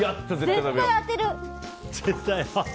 絶対当てる！